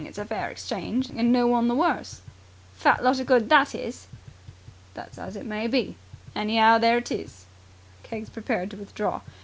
It's a fair exchange, and no one the worse!" "Fat lot of good that is!" "That's as it may be. Anyhow, there it is." Keggs prepared to withdraw.